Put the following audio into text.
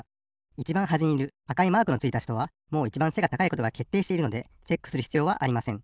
いちばんはじにいるあかいマークのついたひとはもういちばん背が高いことがけっていしているのでチェックするひつようはありません。